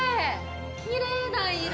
きれいな色。